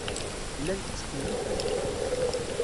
Llant ttkeyyifent.